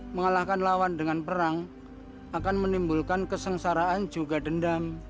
mengalahkan lawan dengan perang akan menimbulkan kesengsaraan juga dendam